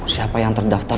siapa yang terdaftar